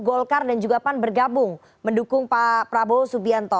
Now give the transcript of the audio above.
golkar dan juga pan bergabung mendukung pak prabowo subianto